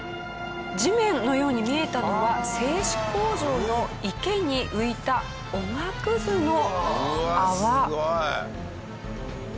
地面のように見えたのは製紙工場の池に浮いたおがくずの泡。